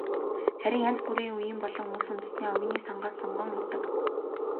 Харин янз бүрийн үеийн болон улс үндэстний оюуны сангаас сонгон авдаг.